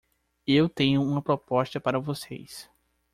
Eu tenho uma proposta para vocês.